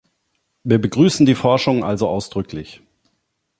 Wir begrüßen die Forschung also ausdrücklich!